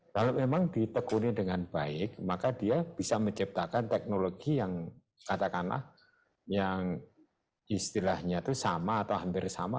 kalau memang ditekuni dengan baik maka dia bisa menciptakan teknologi yang katakanlah yang istilahnya itu sama atau hampir sama